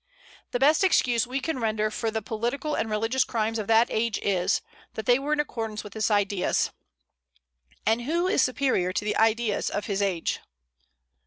The best excuse we can render for the political and religious crimes of that age is, that they were in accordance with its ideas. And who is superior to the ideas of his age?